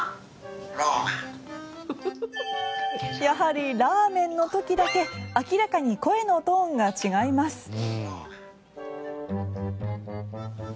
やはりラーメンの時だけ明らかに声のトーンが違います。